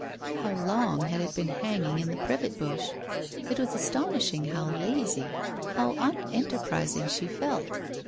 How long had it been hanging in the privet bush? It was astonishing how lazy, how unenterprising she felt.